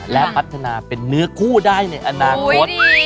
และพัฒนาเป็นเนื้อคู่ได้ในอนาคต